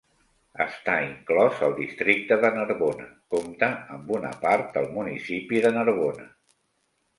Està inclòs al districte de Narbona, compta amb una part del municipi de Narbona.